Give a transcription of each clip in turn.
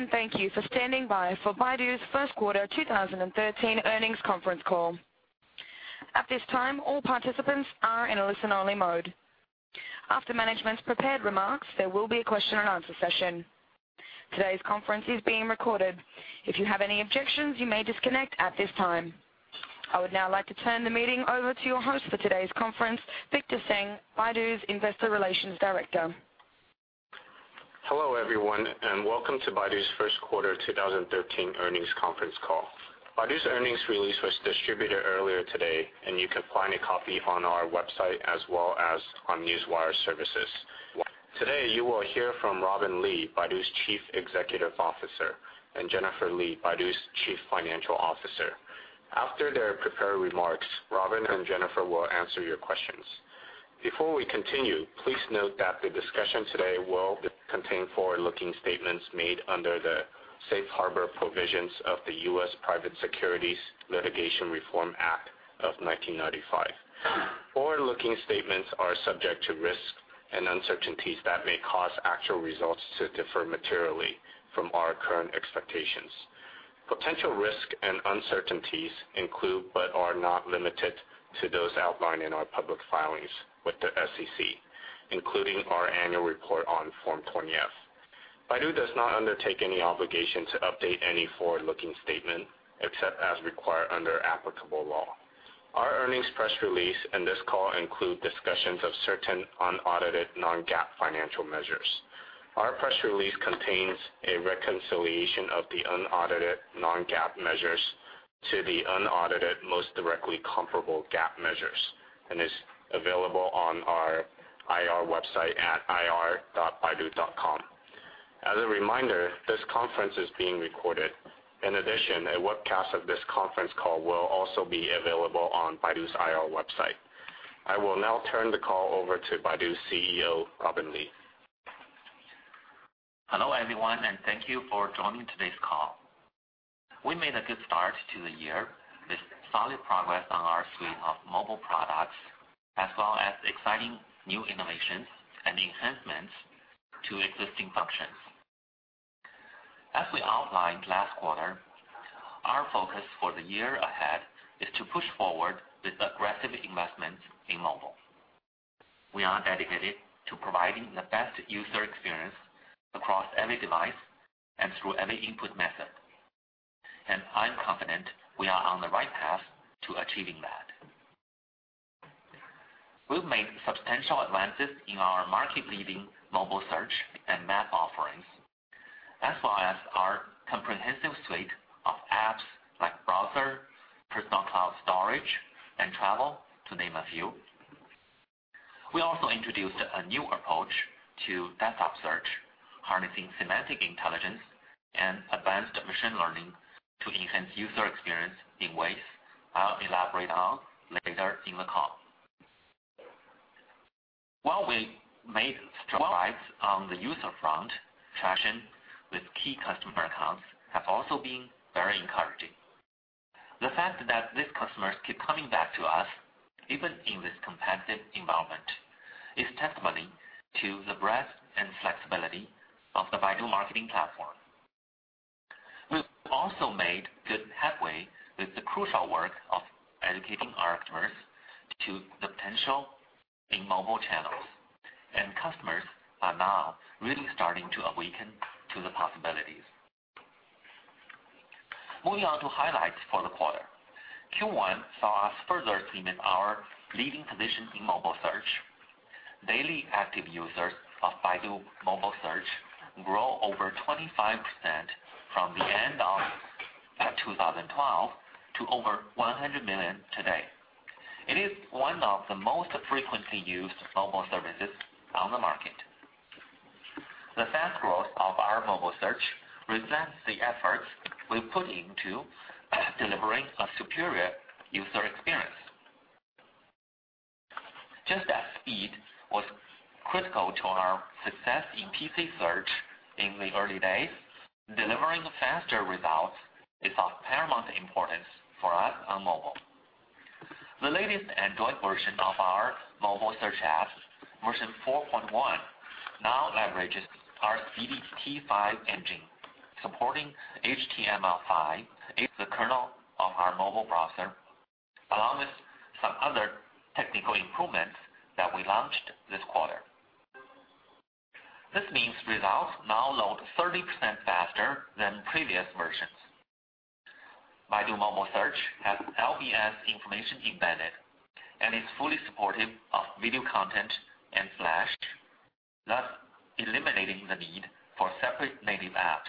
Hello, and thank you for standing by for Baidu's first quarter 2013 earnings conference call. At this time, all participants are in a listen-only mode. After management's prepared remarks, there will be a question and answer session. Today's conference is being recorded. If you have any objections, you may disconnect at this time. I would now like to turn the meeting over to your host for today's conference, Victor Tseng, Baidu's Investor Relations Director. Hello, everyone, and welcome to Baidu's first quarter 2013 earnings conference call. Baidu's earnings release was distributed earlier today. You can find a copy on our website as well as on Newswire services. Today, you will hear from Robin Li, Baidu's Chief Executive Officer, and Jennifer Li, Baidu's Chief Financial Officer. After their prepared remarks, Robin and Jennifer will answer your questions. Before we continue, please note that the discussion today will contain forward-looking statements made under the Safe Harbor provisions of the U.S. Private Securities Litigation Reform Act of 1995. Forward-looking statements are subject to risks and uncertainties that may cause actual results to differ materially from our current expectations. Potential risks and uncertainties include but are not limited to those outlined in our public filings with the SEC, including our annual report on Form 20-F. Baidu does not undertake any obligation to update any forward-looking statement except as required under applicable law. Our earnings press release and this call include discussions of certain unaudited non-GAAP financial measures. Our press release contains a reconciliation of the unaudited non-GAAP measures to the unaudited most directly comparable GAAP measures. Is available on our IR website at ir.baidu.com. As a reminder, this conference is being recorded. A webcast of this conference call will also be available on Baidu's IR website. I will now turn the call over to Baidu's CEO, Robin Li. Hello, everyone, and thank you for joining today's call. We made a good start to the year with solid progress on our suite of mobile products, as well as exciting new innovations and enhancements to existing functions. As we outlined last quarter, our focus for the year ahead is to push forward with aggressive investments in mobile. We are dedicated to providing the best user experience across every device and through every input method. I'm confident we are on the right path to achieving that. We've made substantial advances in our market-leading mobile search and map offerings, as well as our comprehensive suite of apps like Browser, Baidu Wangpan, and Qunar, to name a few. We also introduced a new approach to desktop search, harnessing semantic intelligence and advanced machine learning to enhance user experience in ways I'll elaborate on later in the call. While we made strides on the user front, traction with key customer accounts have also been very encouraging. The fact that these customers keep coming back to us, even in this competitive environment, is testimony to the breadth and flexibility of the Baidu marketing platform. We've also made good headway with the crucial work of educating our customers to the potential in mobile channels, and customers are now really starting to awaken to the possibilities. Moving on to highlights for the quarter. Q1 saw us further cement our leading position in mobile search. Daily active users of Baidu Mobile Search grew over 25% from the end of 2012 to over 100 million today. It is one of the most frequently used mobile services on the market. The fast growth of our Mobile Search reflects the efforts we've put into delivering a superior user experience. Just as speed was critical to our success in PC search in the early days, delivering faster results is of paramount importance for us on mobile. The latest Android version of our Mobile Search App, version 4.1, now leverages our T5 engine, supporting HTML5 is the kernel of our mobile browser, along with some other technical improvements that we launched this quarter. This means results now load 30% faster than previous versions. Baidu Mobile Search has LBS information embedded and is fully supportive of video content and Flash, thus eliminating the need for separate native apps.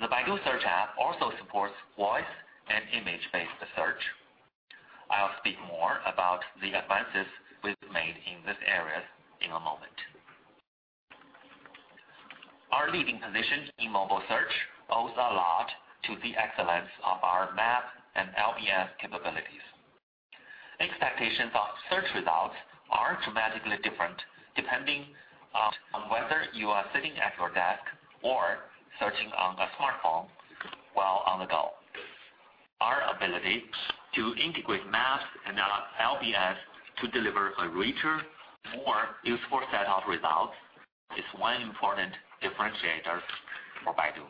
The Baidu Search App also supports voice and image-based search. I'll speak more about the advances we've made in these areas in a moment. Our leading position in mobile search owes a lot to the excellence of our map and LBS capabilities. Expectations of search results are dramatically different depending on whether you are sitting at your desk or searching on a smartphone while on the go. Our ability to integrate maps and LBS to deliver a richer, more useful set of results is one important differentiator for Baidu.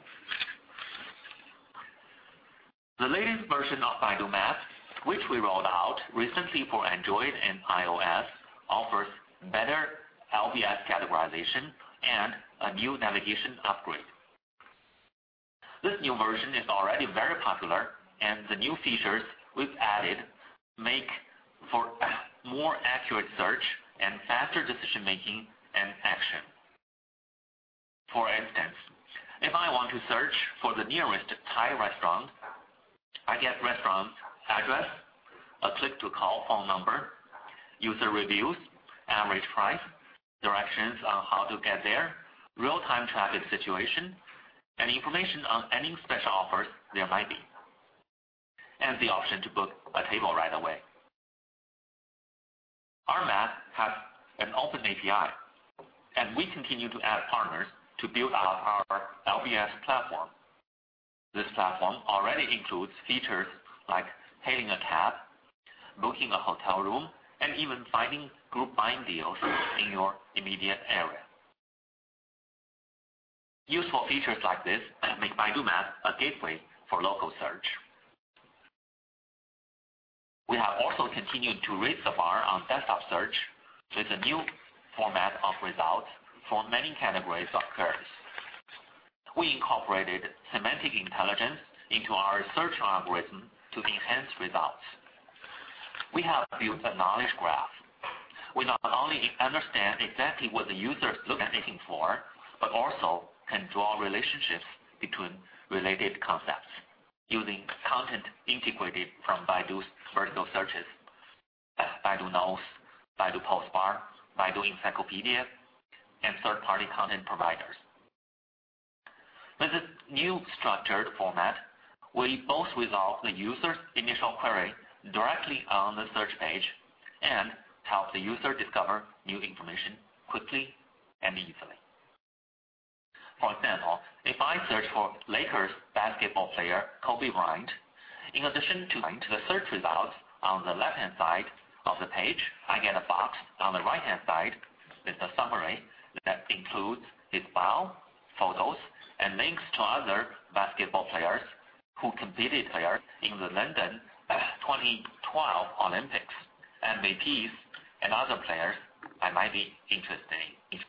The latest version of Baidu Maps, which we rolled out recently for Android and iOS, offers better LBS categorization and a new navigation upgrade. This new version is already very popular, and the new features we've added make for more accurate search and faster decision-making and action. For instance, if I want to search for the nearest Thai restaurant, I get restaurant address, a click-to-call phone number, user reviews, average price, directions on how to get there, real-time traffic situation, and information on any special offers there might be, and the option to book a table right away. Our map has an open API, and we continue to add partners to build out our LBS platform. This platform already includes features like hailing a cab, booking a hotel room, and even finding group buying deals in your immediate area. Useful features like this make Baidu Maps a gateway for local search. We have also continued to raise the bar on desktop search with a new format of results for many categories of queries. We incorporated semantic intelligence into our search algorithm to enhance results. We have built a knowledge graph. We not only understand exactly what the user is looking for, but also can draw relationships between related concepts using content integrated from Baidu's vertical searches, Baidu Knows, Baidu Post Bar, Baidu Baike, and third-party content providers. With a new structured format, we both resolve the user's initial query directly on the search page and help the user discover new information quickly and easily. For example, if I search for Lakers basketball player Kobe Bryant, in addition to the search results on the left-hand side of the page, I get a box on the right-hand side with a summary that includes his bio, photos, and links to other basketball players who competed in the London 2012 Olympics, MVPs, and other players I might be interested in.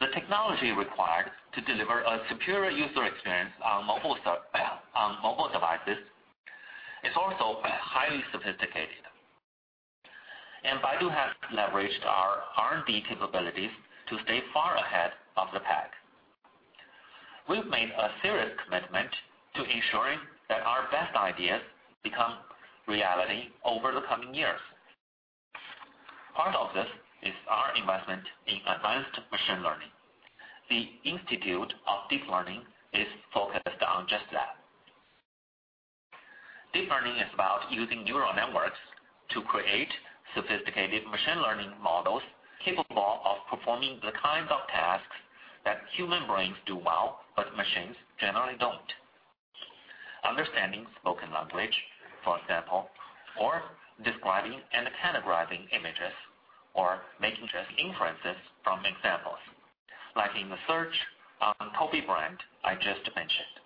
The technology required to deliver a superior user experience on mobile devices is also highly sophisticated, and Baidu has leveraged our R&D capabilities to stay far ahead of the pack. We've made a serious commitment to ensuring that our best ideas become reality over the coming years. Part of this is our investment in advanced machine learning. The Institute of Deep Learning is focused on just that. deep learning is about using neural networks to create sophisticated machine learning models capable of performing the kinds of tasks that human brains do well, but machines generally don't. Understanding spoken language, for example, or describing and categorizing images, or making just inferences from examples, like in the search on Kobe Bryant I just mentioned.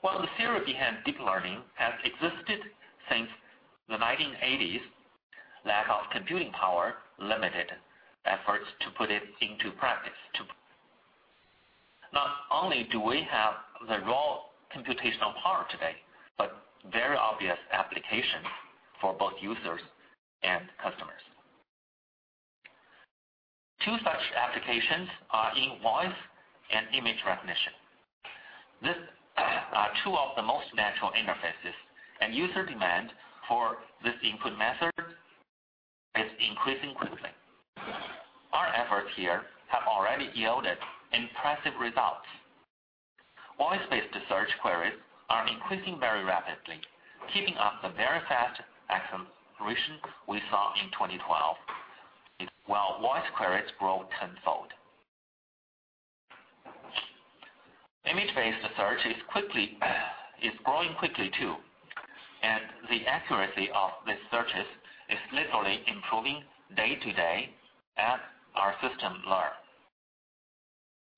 While the theory behind deep learning has existed since the 1980s, lack of computing power limited efforts to put it into practice. Not only do we have the raw computational power today, but very obvious application for both users and customers. Two such applications are in voice and image recognition. These are two of the most natural interfaces, and user demand for this input method is increasing quickly. Our efforts here have already yielded impressive results. Voice-based search queries are increasing very rapidly, keeping up the very fast acceleration we saw in 2012, while voice queries grow tenfold. Image-based search is growing quickly, too, and the accuracy of these searches is literally improving day to day as our systems learn.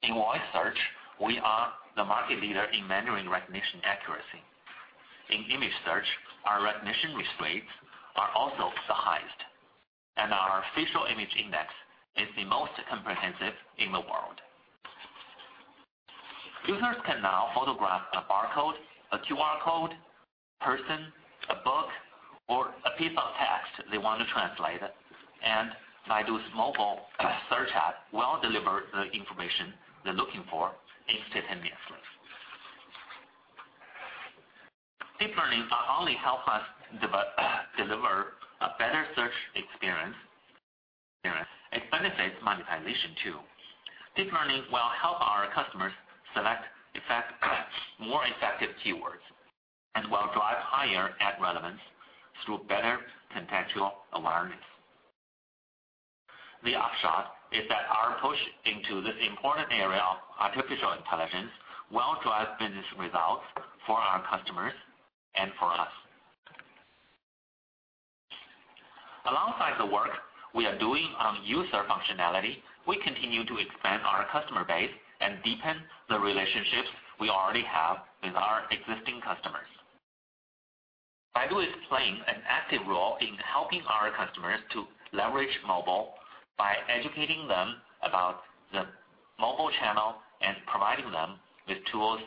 In voice search, we are the market leader in measuring recognition accuracy. In image search, our recognition rates are also the highest, and our facial image index is the most comprehensive in the world. Users can now photograph a barcode, a QR code, person, a book, or a piece of text they want to translate, and Baidu's mobile search app will deliver the information they're looking for instantaneously. deep learning not only helps us deliver a better search experience, it benefits monetization, too. deep learning will help our customers select more effective keywords and will drive higher ad relevance through better contextual awareness. The upshot is that our push into this important area of artificial intelligence will drive business results for our customers and for us. Alongside the work we are doing on user functionality, we continue to expand our customer base and deepen the relationships we already have with our existing customers. Baidu is playing an active role in helping our customers to leverage mobile by educating them about the mobile channel and providing them with tools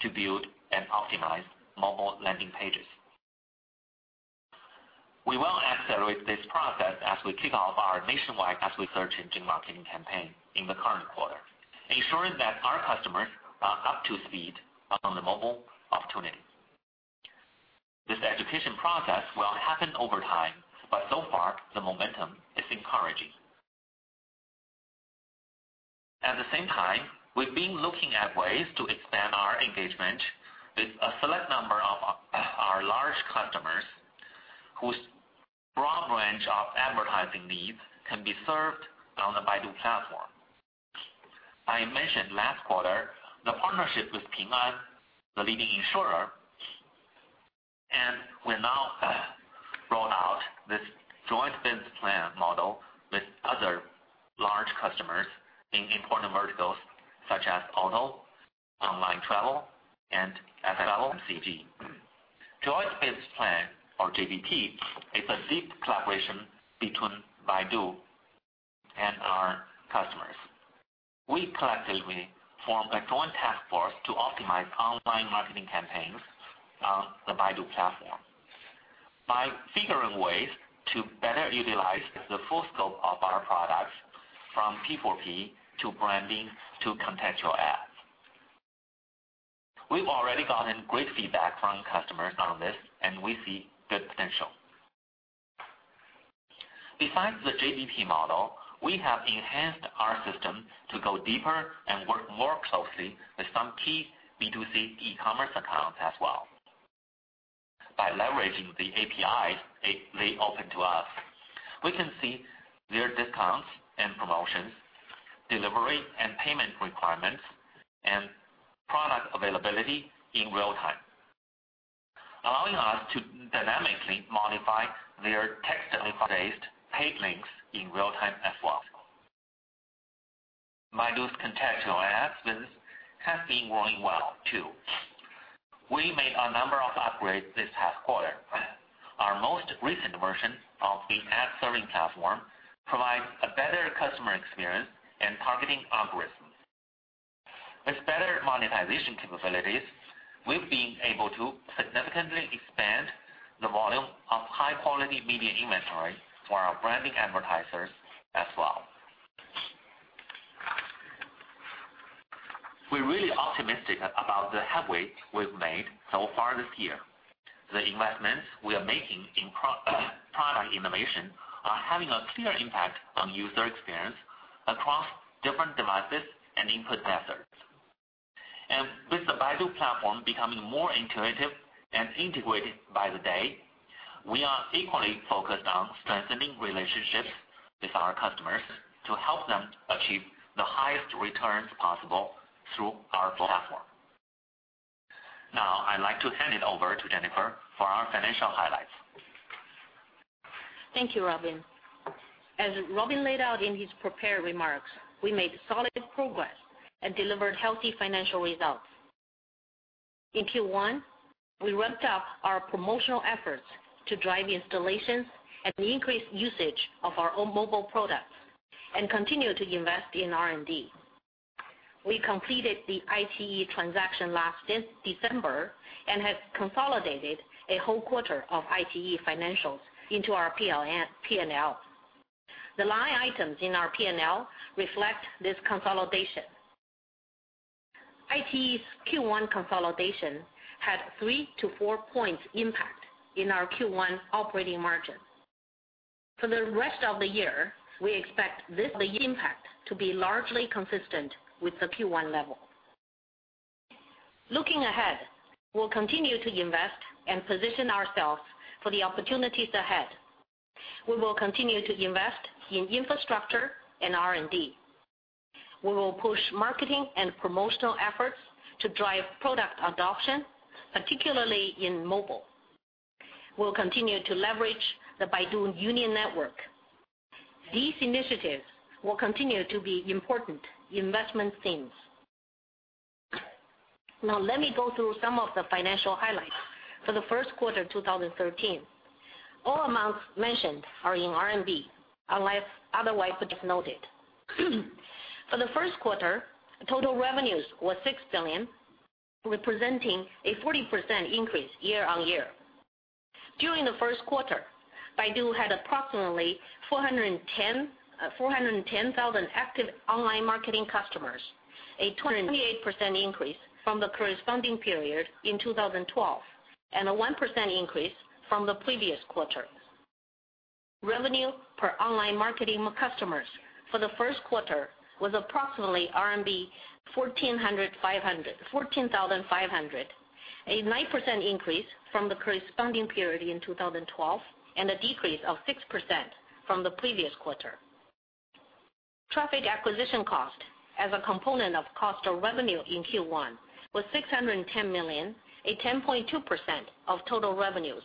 to build and optimize mobile landing pages. We will accelerate this process as we kick off our nationwide search engine marketing campaign in the current quarter, ensuring that our customers are up to speed on the mobile opportunity. This education process will happen over time, but so far, the momentum is encouraging. At the same time, we've been looking at ways to expand our engagement with a select number of our large customers, whose broad range of advertising needs can be served on the Baidu platform. I mentioned last quarter, the partnership with Ping An, the leading insurer, and we now roll out this joint business plan model with other large customers in important verticals such as auto, online travel, and FMCG. Joint business plan or JBP is a deep collaboration between Baidu and our customers. We collectively form a joint task force to optimize online marketing campaigns on the Baidu platform by figuring ways to better utilize the full scope of our products from P4P to branding to contextual ads. We've already gotten great feedback from customers on this, and we see good potential. Besides the JBP model, we have enhanced our system to go deeper and work more closely with some key B2C e-commerce accounts as well. By leveraging the APIs they open to us, we can see their discounts and promotions, delivery and payment requirements, and product availability in real time, allowing us to dynamically modify their text-based paid links in real time as well. Baidu's contextual ads business has been growing well, too. We made a number of upgrades this past quarter. Our most recent version of the ad-serving platform provides a better customer experience and targeting algorithms. With better monetization capabilities, we've been able to significantly expand the volume of high-quality media inventory for our branding advertisers as well. We're really optimistic about the headway we've made so far this year. The investments we are making in product innovation are having a clear impact on user experience across different devices and input methods. With the Baidu platform becoming more intuitive and integrated by the day, we are equally focused on strengthening relationships with our customers to help them achieve the highest returns possible through our platform. Now I'd like to hand it over to Jennifer for our financial highlights. Thank you, Robin. As Robin laid out in his prepared remarks, we made solid progress and delivered healthy financial results. In Q1, we ramped up our promotional efforts to drive installations and increase usage of our own mobile products and continued to invest in R&D. We completed the iQIYI transaction last December and have consolidated a whole quarter of iQIYI financials into our P&L. The line items in our P&L reflect this consolidation. iQIYI's Q1 consolidation had 3-4 points impact in our Q1 operating margin. For the rest of the year, we expect this impact to be largely consistent with the Q1 level. Looking ahead, we'll continue to invest and position ourselves for the opportunities ahead. We will continue to invest in infrastructure and R&D. We will push marketing and promotional efforts to drive product adoption, particularly in mobile. We'll continue to leverage the Baidu Union network. These initiatives will continue to be important investment themes. Let me go through some of the financial highlights for the first quarter 2013. All amounts mentioned are in RMB, unless otherwise noted. For the first quarter, total revenues were 6 billion, representing a 40% increase year-on-year. During the first quarter, Baidu had approximately 410,000 active online marketing customers, a 28% increase from the corresponding period in 2012, and a 1% increase from the previous quarter. Revenue per online marketing customers for the first quarter was approximately 14,500. A 9% increase from the corresponding period in 2012 and a decrease of 6% from the previous quarter. Traffic acquisition cost as a component of cost of revenue in Q1 was 610 million, a 10.2% of total revenues,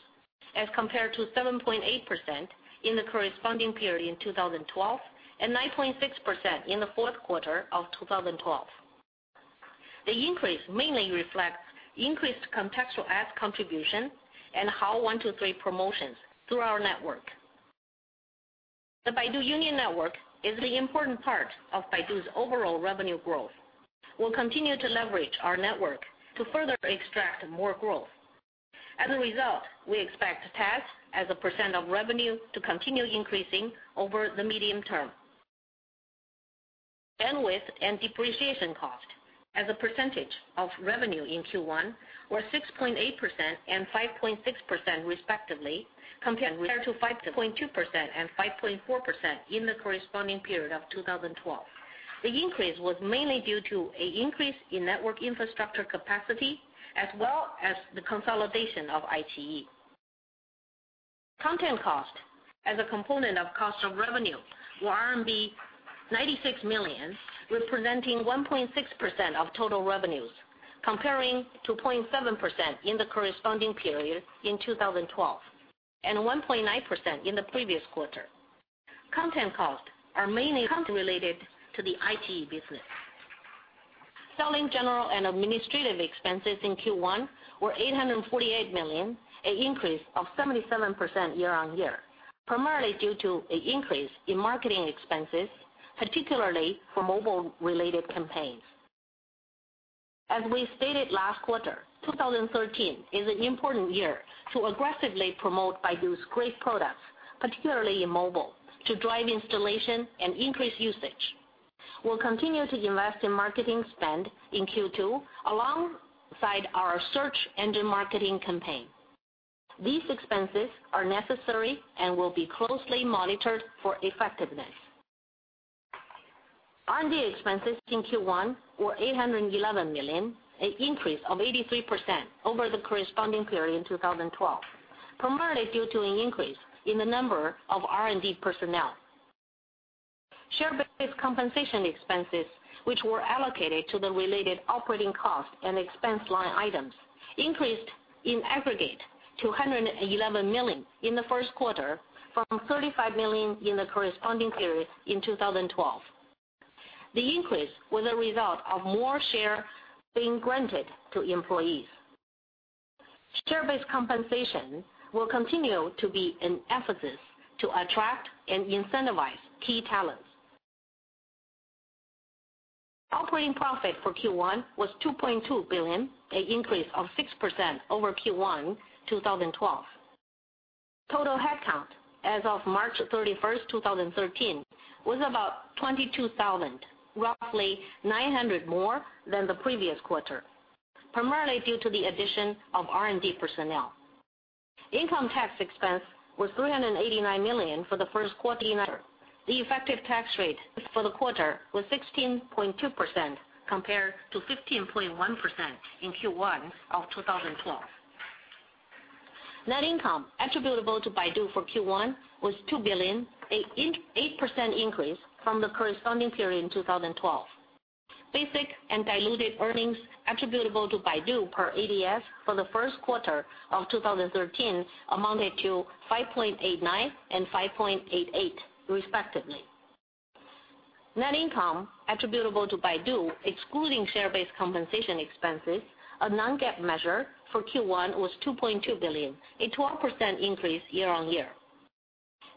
as compared to 7.8% in the corresponding period in 2012 and 9.6% in the fourth quarter of 2012. The increase mainly reflects increased contextual ad contribution and Hao123 promotions through our network. The Baidu Union network is the important part of Baidu's overall revenue growth. We'll continue to leverage our network to further extract more growth. As a result, we expect TAC as a percent of revenue to continue increasing over the medium term. Bandwidth and depreciation cost as a percentage of revenue in Q1 were 6.8% and 5.6% respectively, compared to 5.2% and 5.4% in the corresponding period of 2012. The increase was mainly due to an increase in network infrastructure capacity as well as the consolidation of iQIYI. Content cost as a component of cost of revenue were RMB 96 million, representing 1.6% of total revenues, comparing to 0.7% in the corresponding period in 2012 and 1.9% in the previous quarter. Content costs are mainly related to the iQIYI business. Selling, general and administrative expenses in Q1 were 848 million, an increase of 77% year-on-year, primarily due to an increase in marketing expenses, particularly for mobile-related campaigns. As we stated last quarter, 2013 is an important year to aggressively promote Baidu's great products, particularly in mobile, to drive installation and increase usage. We'll continue to invest in marketing spend in Q2 alongside our search engine marketing campaign. These expenses are necessary and will be closely monitored for effectiveness. R&D expenses in Q1 were 811 million, an increase of 83% over the corresponding period in 2012, primarily due to an increase in the number of R&D personnel. Share-based compensation expenses, which were allocated to the related operating cost and expense line items, increased in aggregate to 111 million in the first quarter from 35 million in the corresponding period in 2012. The increase was a result of more shares being granted to employees. Share-based compensation will continue to be an emphasis to attract and incentivize key talents. Operating profit for Q1 was 2.2 billion, an increase of 6% over Q1 2012. Total headcount as of March 31st, 2013, was about 22,000, roughly 900 more than the previous quarter, primarily due to the addition of R&D personnel. Income tax expense was 389 million for the first quarter. The effective tax rate for the quarter was 16.2% compared to 15.1% in Q1 of 2012. Net income attributable to Baidu for Q1 was 2 billion, an 8% increase from the corresponding period in 2012. Basic and diluted earnings attributable to Baidu per ADS for the first quarter of 2013 amounted to 5.89 and 5.88 respectively. Net income attributable to Baidu, excluding share-based compensation expenses, a non-GAAP measure for Q1, was 2.2 billion, a 12% increase year-on-year.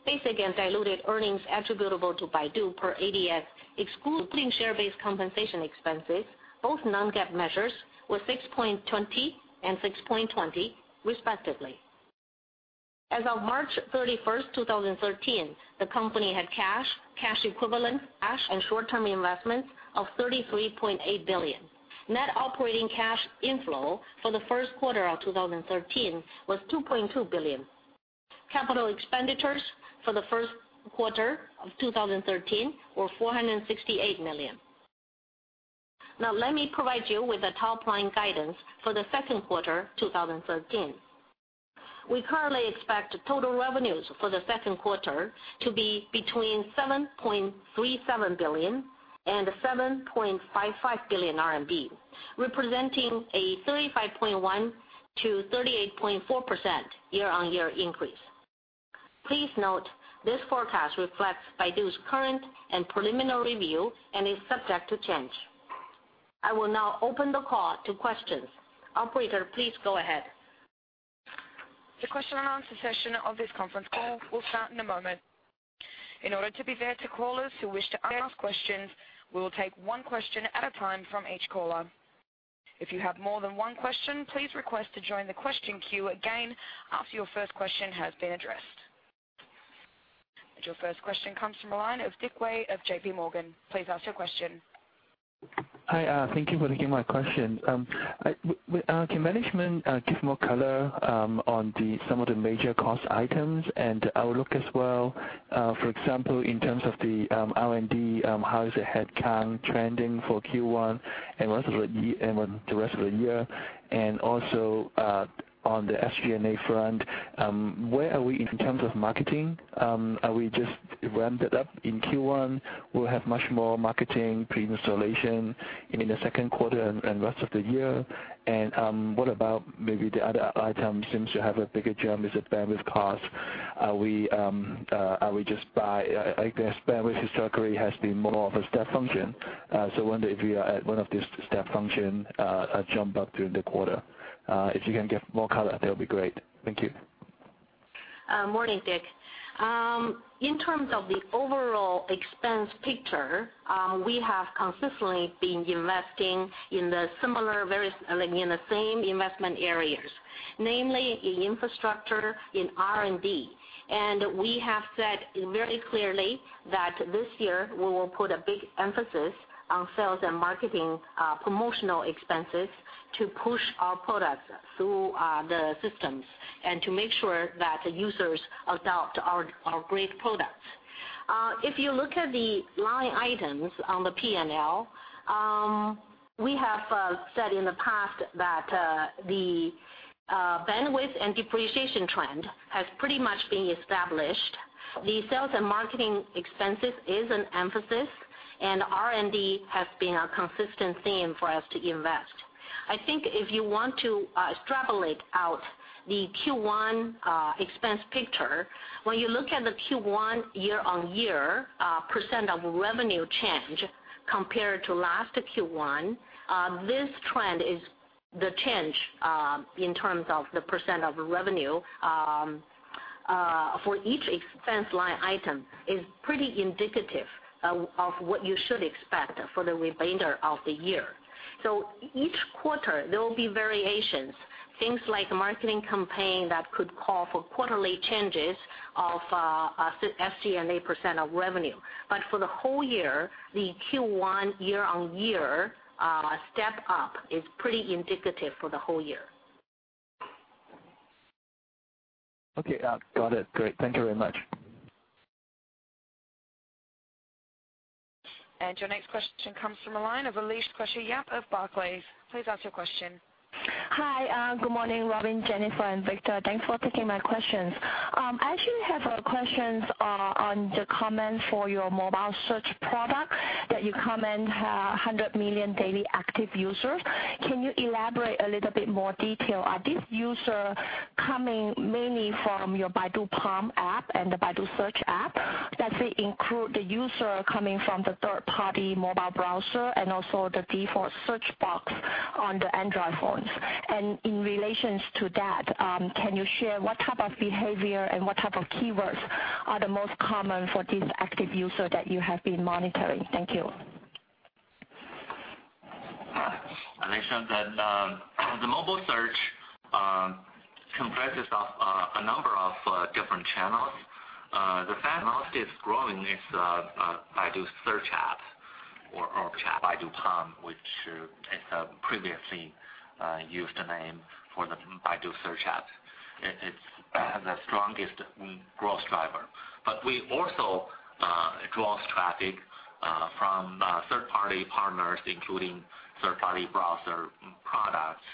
Basic and diluted earnings attributable to Baidu per ADS, excluding share-based compensation expenses, both non-GAAP measures, were 6.20 and 6.20 respectively. As of March 31st, 2013, the company had cash equivalents, and short-term investments of RMB 33.8 billion. Net operating cash inflow for the first quarter of 2013 was RMB 2.2 billion. Capital expenditures for the first quarter of 2013 were 468 million. Now, let me provide you with the top-line guidance for the second quarter 2013. We currently expect total revenues for the second quarter to be between 7.37 billion and 7.55 billion RMB, representing a 35.1%-38.4% year-on-year increase. Please note this forecast reflects Baidu's current and preliminary review and is subject to change. I will now open the call to questions. Operator, please go ahead. The question and answer session of this conference call will start in a moment. In order to be fair to callers who wish to ask questions, we will take one question at a time from each caller. If you have more than one question, please request to join the question queue again after your first question has been addressed. Your first question comes from the line of Dick Wei of JPMorgan. Please ask your question. Hi. Thank you for taking my question. Can management give more color on some of the major cost items and outlook as well? For example, in terms of the R&D, how is the headcount trending for Q1 and the rest of the year? Also, on the SG&A front, where are we in terms of marketing? Are we just ramped it up in Q1? We'll have much more marketing pre-installation in the second quarter and rest of the year. What about maybe the other items, since you have a bigger jump? Is it bandwidth cost? I guess bandwidth historically has been more of a step function, so I wonder if you are at one of the step function jump up during the quarter. If you can give more color, that would be great. Thank you. Morning, Dick. In terms of the overall expense picture, we have consistently been investing in the same investment areas, namely in infrastructure, in R&D. We have said very clearly that this year we will put a big emphasis on sales and marketing promotional expenses to push our products through the systems and to make sure that users adopt our great products. If you look at the line items on the P&L, we have said in the past that the bandwidth and depreciation trend has pretty much been established. The sales and marketing expenses is an emphasis, and R&D has been a consistent theme for us to invest. I think if you want to extrapolate out the Q1 expense picture, when you look at the Q1 year-on-year revenue % change compared to last Q1, this trend is the change, in terms of the revenue %, for each expense line item is pretty indicative of what you should expect for the remainder of the year. Each quarter, there will be variations, things like marketing campaign that could call for quarterly changes of SG&A revenue %. For the whole year, the Q1 year-on-year step-up is pretty indicative for the whole year. Okay. Got it. Great. Thank you very much. Your next question comes from the line of Alicia Yap of Barclays. Please ask your question. Hi. Good morning, Robin, Jennifer, and Victor. Thanks for taking my questions. I actually have questions on the comment for your mobile search product that you comment 100 million daily active users. Can you elaborate a little bit more detail? Are these users coming mainly from your Baidu Palm app and the Baidu App? Does it include the user coming from the third-party mobile browser and also the default search box on the Android phones? In relations to that, can you share what type of behavior and what type of keywords are the most common for these active users that you have been monitoring? Thank you. Alicia, the mobile search comprises of a number of different channels. The fastest-growing is Baidu's Search App or Baidu Palm, which is a previously used name for the Baidu Search App. It's the strongest growth driver. We also draw traffic from third-party partners, including third-party browser products,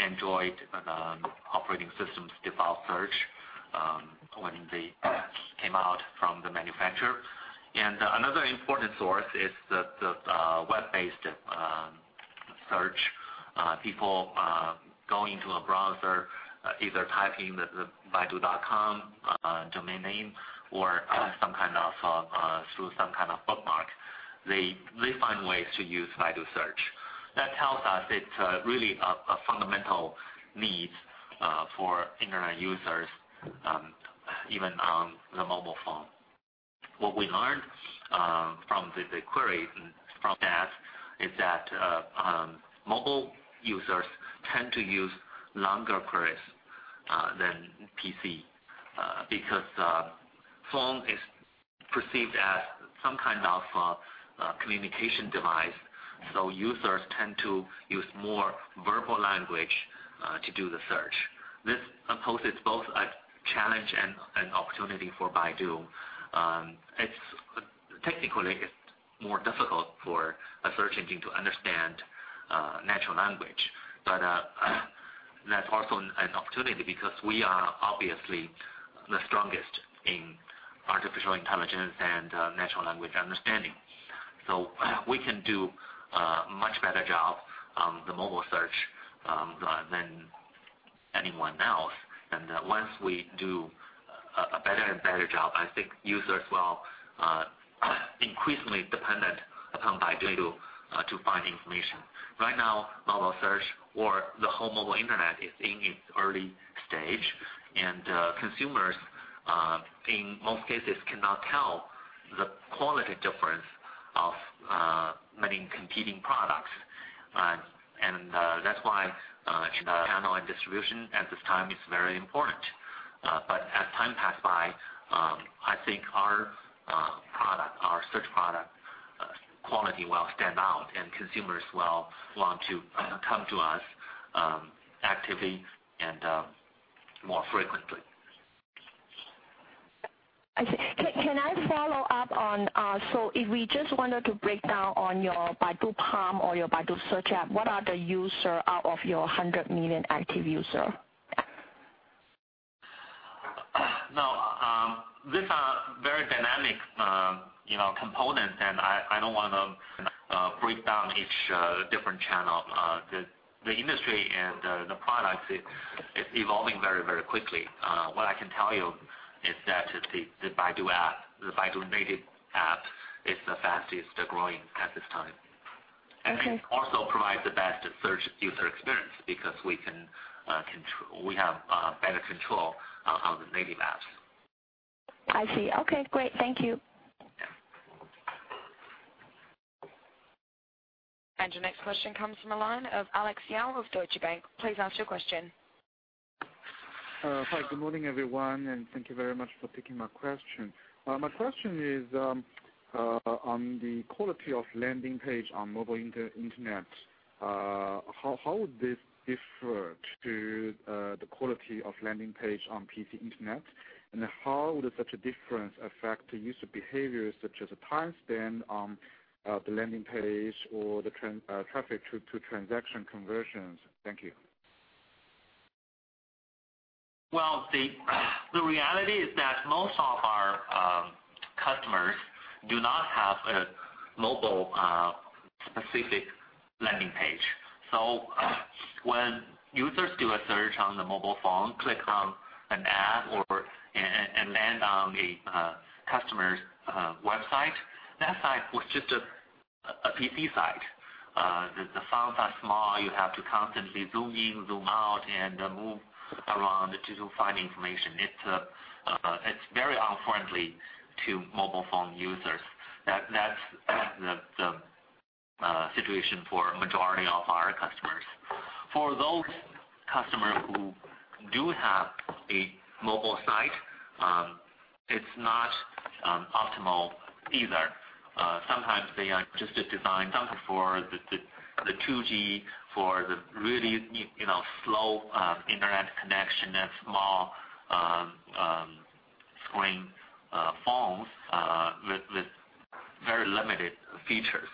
Android operating systems default search, when they came out from the manufacturer. Another important source is the web-based search. People going to a browser, either typing the baidu.com domain name or through some kind of bookmark. They find ways to use Baidu search. That tells us it's really a fundamental need for Internet users, even on the mobile phone. What we learned from the query from the app is that mobile users tend to use longer queries than PC, because phone is perceived as some kind of communication device, so users tend to use more verbal language to do the search. This poses both a challenge and an opportunity for Baidu. Technically, it's more difficult for a search engine to understand natural language. That's also an opportunity because we are obviously the strongest in artificial intelligence and natural language understanding. We can do a much better job on the mobile search than anyone else. Once we do a better and better job, I think users will increasingly dependent upon Baidu to find information. Right now, mobile search or the whole mobile Internet is in its early stage, and consumers, in most cases, cannot tell the quality difference. Many competing products. That's why channel and distribution at this time is very important. As time passes by, I think our search product quality will stand out, and consumers will want to come to us actively and more frequently. I see. Can I follow up on if we just wanted to break down on your Baidu Palm or your Baidu Search App, what are the users out of your 100 million active users? These are very dynamic components, and I don't want to break down each different channel. The industry and the products, it's evolving very quickly. What I can tell you is that the Baidu-native app is the fastest-growing at this time. Okay. Think also provides the best search user experience because we have better control on the native apps. I see. Okay, great. Thank you. Your next question comes from the line of Alex Yao of Deutsche Bank. Please ask your question. Hi, good morning everyone, and thank you very much for taking my question. My question is on the quality of landing page on mobile internet. How would this differ to the quality of landing page on PC internet, and how would such a difference affect user behaviors such as time spent on the landing page or the traffic to transaction conversions? Thank you. Well, the reality is that most of our customers do not have a mobile-specific landing page. When users do a search on the mobile phone, click on an ad or land on a customer's website, that site was just a PC site. The fonts are small, you have to constantly zoom in, zoom out, and move around to find information. It's very unfriendly to mobile phone users. That's the situation for a majority of our customers. For those customers who do have a mobile site, it's not optimal either. Sometimes they are just designed only for the 2G, for the really slow internet connection and small screen phones with very limited features.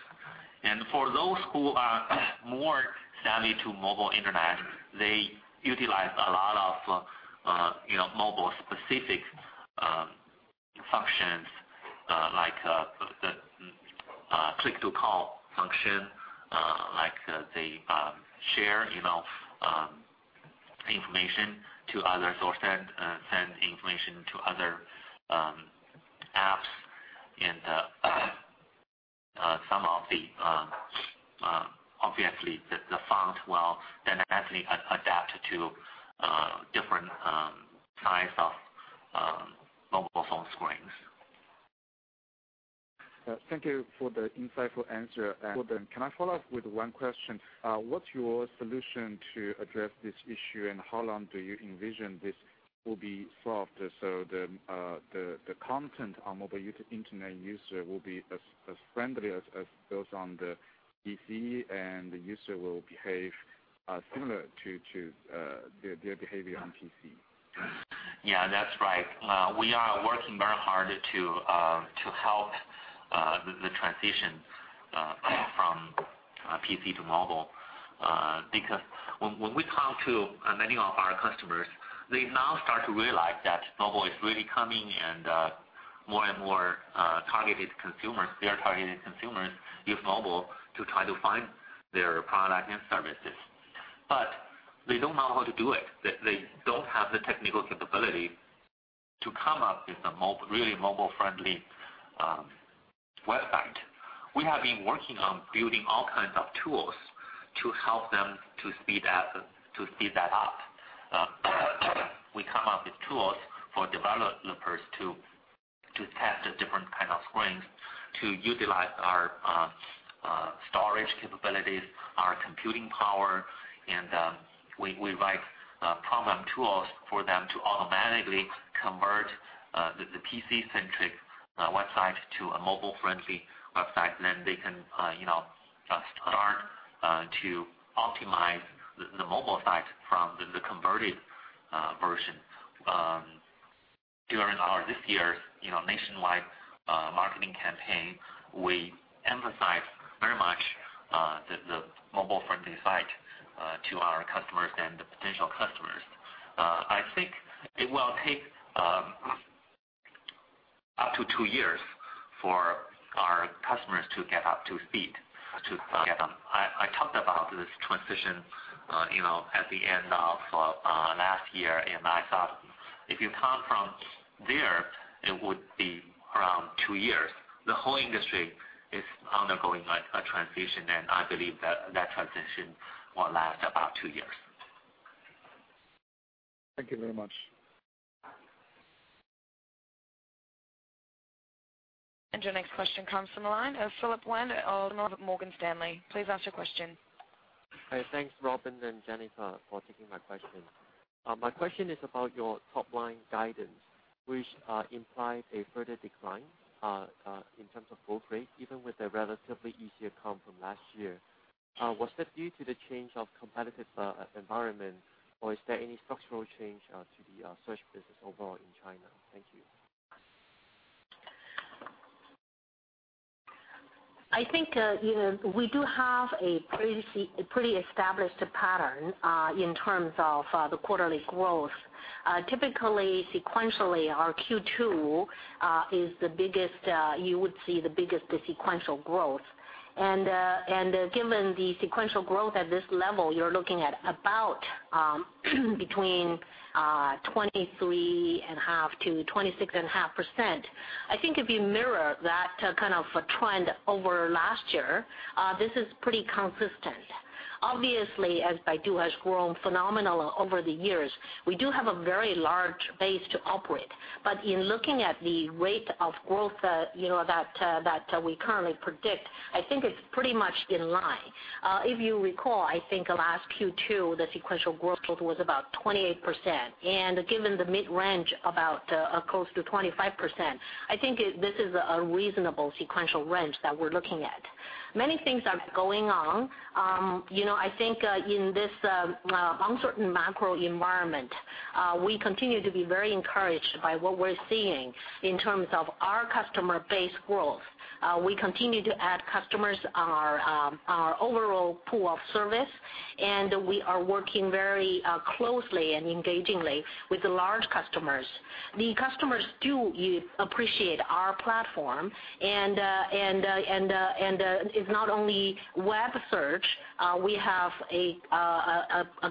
For those who are more savvy to mobile internet, they utilize a lot of mobile-specific functions like the click-to-call function. Like, they share enough information to other sources, send information to other apps. Obviously, the font will dynamically adapt to different size of mobile phone screens. Thank you for the insightful answer. Can I follow up with one question? What's your solution to address this issue, and how long do you envision this will be solved so the content on mobile internet user will be as friendly as those on the PC, and the user will behave similar to their behavior on PC? Yeah, that's right. We are working very hard to help the transition from PC to mobile. When we talk to many of our customers, they now start to realize that mobile is really coming and more and more targeted consumers, their targeted consumers, use mobile to try to find their product and services. They don't know how to do it. They don't have the technical capability to come up with a really mobile-friendly website. We have been working on building all kinds of tools to help them to speed that up. We come up with tools for developers to test the different kind of screens, to utilize our storage capabilities, our computing power, and we write program tools for them to automatically convert the PC-centric website to a mobile-friendly website. Then they can start to optimize the mobile site from the converted version. During this year's nationwide marketing campaign, we emphasized very much the mobile-friendly site to our customers and the potential customers. I think it will take up to 2 years for our customers to get up to speed. I talked about this transition at the end of last year, and I thought if you count from there, it would be around 2 years. The whole industry is undergoing a transition, and I believe that transition will last about 2 years. Thank you very much. Your next question comes from the line of Philip Wan of Morgan Stanley. Please ask your question. Thanks, Robin and Jennifer, for taking my question. My question is about your top-line guidance, which implies a further decline in terms of growth rate, even with a relatively easier comp from last year. Was that due to the change of competitive environment or is there any structural change to the search business overall in China? Thank you. I think we do have a pretty established pattern in terms of the quarterly growth. Typically, sequentially, our Q2 you would see the biggest sequential growth. Given the sequential growth at this level, you're looking at about between 23.5%-26.5%. I think if you mirror that kind of trend over last year, this is pretty consistent. Obviously, as Baidu has grown phenomenally over the years, we do have a very large base to operate. In looking at the rate of growth that we currently predict, I think it's pretty much in line. If you recall, I think last Q2, the sequential growth was about 28%. Given the mid-range about close to 25%, I think this is a reasonable sequential range that we're looking at. Many things are going on. I think in this uncertain macro environment, we continue to be very encouraged by what we're seeing in terms of our customer base growth. We continue to add customers, our overall pool of service, and we are working very closely and engagingly with the large customers. The customers do appreciate our platform, and it's not only web search. We have a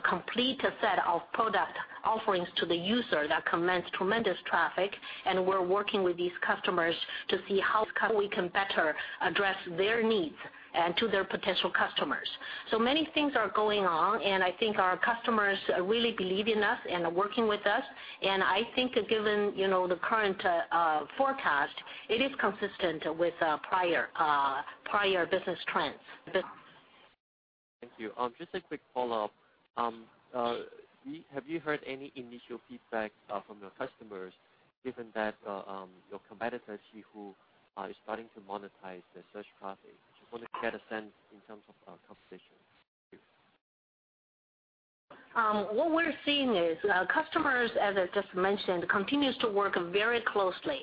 complete set of product offerings to the user that commands tremendous traffic, and we're working with these customers to see how we can better address their needs and to their potential customers. Many things are going on, and I think our customers really believe in us and are working with us. I think given the current forecast, it is consistent with prior business trends. Thank you. Just a quick follow-up. Have you heard any initial feedback from your customers, given that your competitor, Qihoo, is starting to monetize their search traffic? Just want to get a sense in terms of competition. Thank you. What we're seeing is customers, as I just mentioned, continues to work very closely.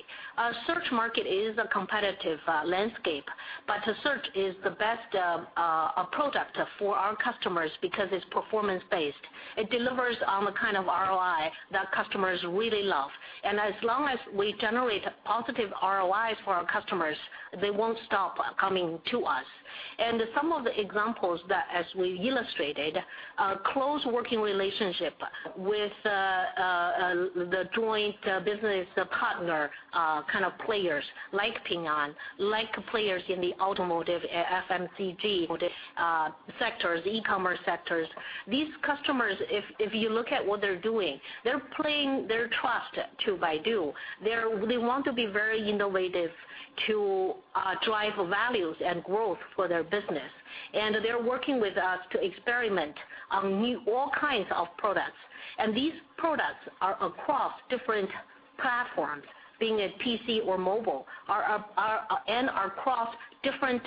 Search market is a competitive landscape, but search is the best product for our customers because it's performance-based. It delivers on the kind of ROI that customers really love. As long as we generate positive ROIs for our customers, they won't stop coming to us. Some of the examples that as we illustrated, a close working relationship with the joint business partner kind of players like Ping An, like players in the automotive, FMCG sectors, e-commerce sectors. These customers, if you look at what they're doing, they're putting their trust to Baidu. They want to be very innovative to drive values and growth for their business. They're working with us to experiment on all kinds of products. These products are across different platforms, being it PC or mobile, and are across different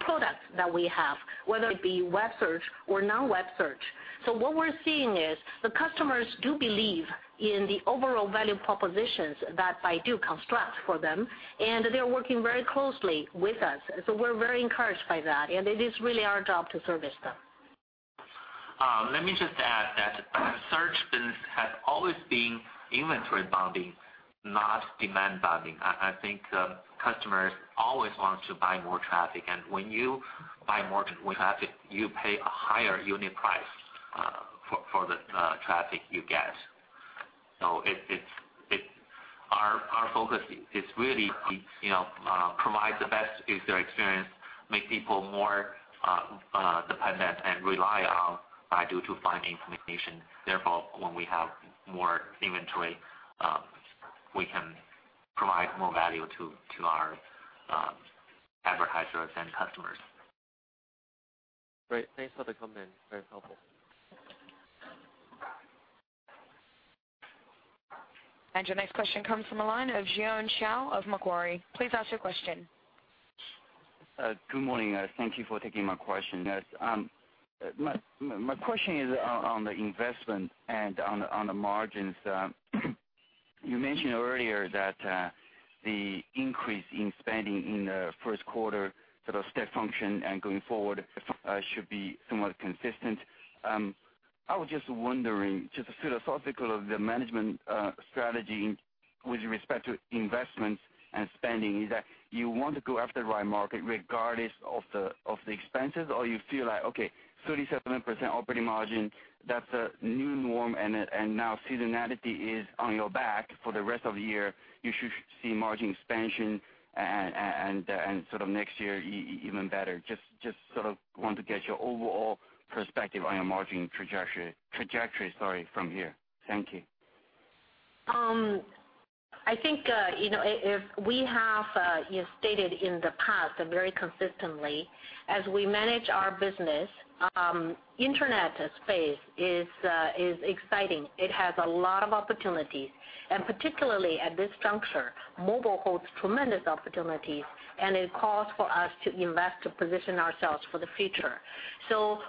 products that we have, whether it be web search or non-web search. What we're seeing is the customers do believe in the overall value propositions that Baidu constructs for them, and they're working very closely with us. We're very encouraged by that, and it is really our job to service them. Let me just add that search business has always been inventory bounding, not demand bounding. I think customers always want to buy more traffic. When you buy more traffic, you pay a higher unit price for the traffic you get. Our focus is really to provide the best user experience, make people more dependent and rely on Baidu to find the information. Therefore, when we have more inventory, we can provide more value to our advertisers and customers. Great. Thanks for the comment. Very helpful. Your next question comes from the line of Jiong Shao of Macquarie. Please ask your question. Good morning. Thank you for taking my question. My question is on the investment and on the margins. You mentioned earlier that the increase in spending in the first quarter sort of step function and going forward should be somewhat consistent. I was just wondering, just the philosophy of the management strategy with respect to investments and spending, is that you want to go after the right market regardless of the expenses, or you feel like, okay, 37% operating margin, that's a new norm, and now seasonality is on your back for the rest of the year, you should see margin expansion and sort of next year, even better. Just sort of want to get your overall perspective on your margin trajectory from here. Thank you. I think, we have stated in the past very consistently, as we manage our business, internet space is exciting. It has a lot of opportunities, and particularly at this juncture, mobile holds tremendous opportunities, and it calls for us to invest to position ourselves for the future.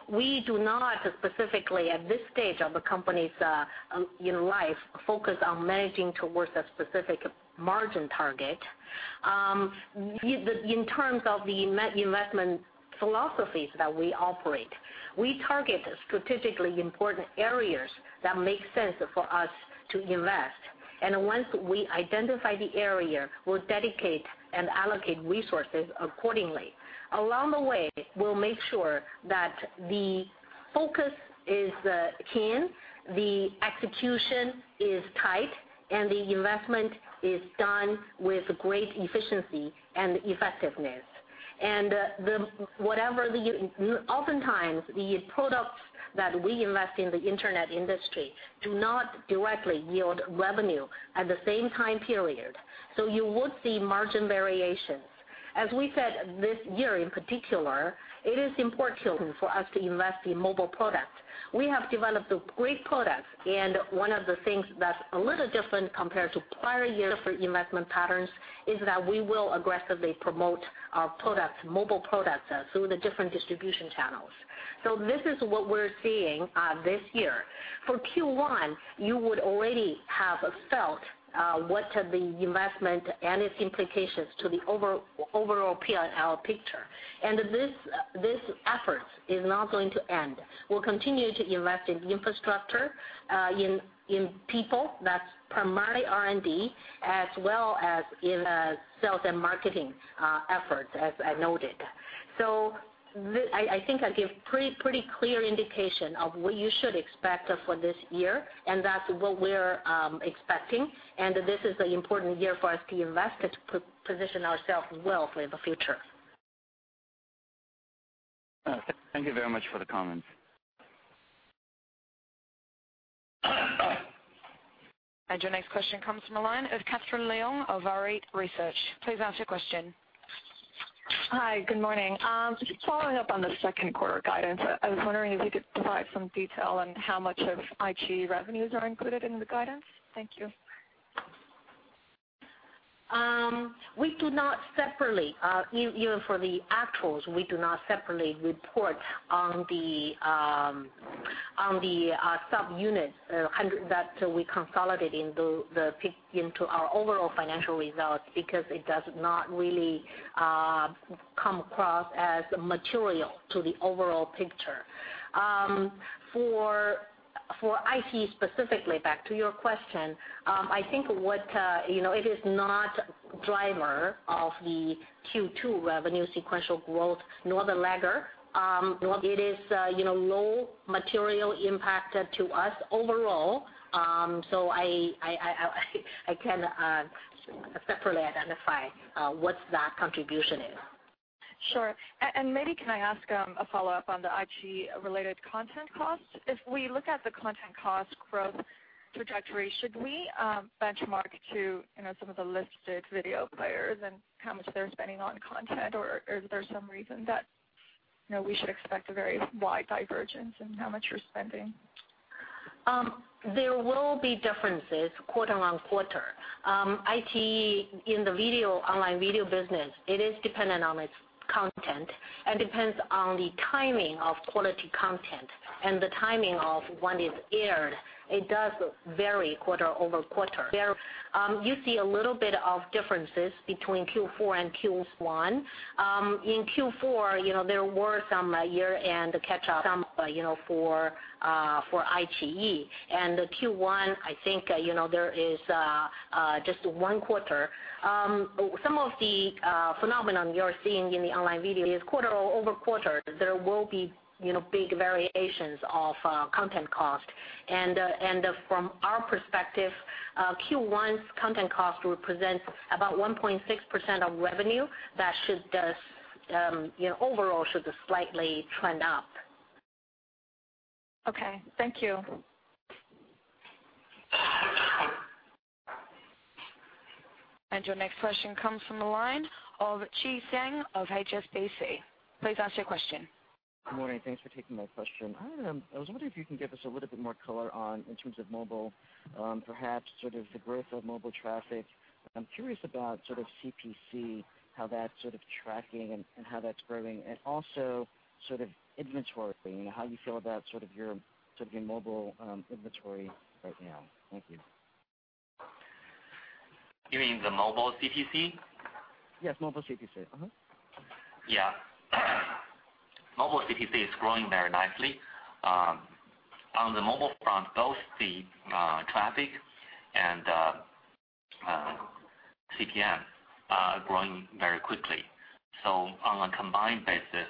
We do not specifically, at this stage of the company's life, focus on managing towards a specific margin target. In terms of the investment philosophies that we operate, we target strategically important areas that make sense for us to invest. Once we identify the area, we'll dedicate and allocate resources accordingly. Along the way, we'll make sure that the focus is keen, the execution is tight, and the investment is done with great efficiency and effectiveness. Oftentimes, the products that we invest in the internet industry do not directly yield revenue at the same time period. You would see margin variations. As we said this year in particular, it is important for us to invest in mobile products. We have developed great products, one of the things that's a little different compared to prior year different investment patterns is that we will aggressively promote our mobile products through the different distribution channels. This is what we're seeing this year. For Q1, you would already have felt what the investment and its implications to the overall P&L picture. This effort is not going to end. We'll continue to invest in infrastructure, in people, that's primarily R&D, as well as in sales and marketing efforts, as I noted. I think I gave pretty clear indication of what you should expect for this year, that's what we're expecting, this is an important year for us to invest to position ourselves well for the future. Thank you very much for the comments. Your next question comes from the line of Catherine Leung of Varit Research. Please ask your question. Hi, good morning. Just following up on the second quarter guidance, I was wondering if you could provide some detail on how much of iQIYI revenues are included in the guidance. Thank you. We do not separately, even for the actuals, we do not separately report on the sub-units that we consolidate into our overall financial results, because it does not really come across as material to the overall picture. For iQIYI specifically, back to your question, I think it is not driver of the Q2 revenue sequential growth, nor the lagger. It is low material impact to us overall, so I cannot separately identify what that contribution is. Sure. Maybe can I ask a follow-up on the iQIYI-related content costs? If we look at the content cost growth trajectory, should we benchmark to some of the listed video players and how much they're spending on content, or is there some reason that we should expect a very wide divergence in how much you're spending? There will be differences quarter-on-quarter. iQIYI in the online video business, it is dependent on its content, and depends on the timing of quality content and the timing of when it's aired. It does vary quarter-over-quarter. You see a little bit of differences between Q4 and Q1. In Q4, there were some year-end catch up for iQIYI. Q1, I think there is just one quarter. Some of the phenomenon you're seeing in the online video is quarter-over-quarter, there will be big variations of content cost. From our perspective, Q1's content cost represents about 1.6% of revenue. That overall should slightly trend up. Okay. Thank you. Your next question comes from the line of Chi Tsang of HSBC. Please ask your question. Good morning. Thanks for taking my question. I was wondering if you can give us a little bit more color on, in terms of mobile, perhaps sort of the growth of mobile traffic. I'm curious about sort of CPC, how that's sort of tracking and how that's growing, and also sort of inventory, how you feel about your mobile inventory right now. Thank you. You mean the mobile CPC? Yes, mobile CPC. Mobile CPC is growing very nicely. On the mobile front, both the traffic and CPM are growing very quickly. On a combined basis,